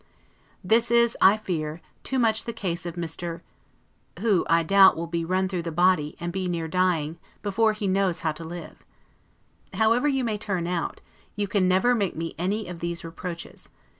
This, I fear, is too much the case of Mr. ; who, I doubt, will be run through the body, and be near dying, before he knows how to live. However you may turn out, you can never make me any of these reproaches.